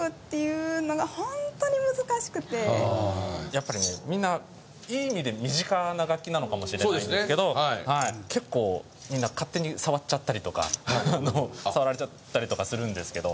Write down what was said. やっぱりねみんないい意味で身近な楽器なのかもしれないんですけど結構みんな勝手に触っちゃったりとか触られちゃったりとかするんですけど。